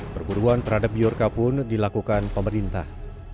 perburuan terhadap biorka pun dilakukan pemerintah